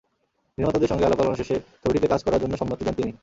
নির্মাতাদের সঙ্গে আলাপ-আলোচনা শেষে ছবিটিতে কাজ করার জন্য সম্মতি দেন তিনি।